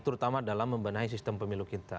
terutama dalam membenahi sistem pemilu kita